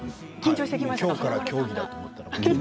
きょうから競技だと思ったら。